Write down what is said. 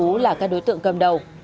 trịnh anh tú là các đối tượng cầm đầu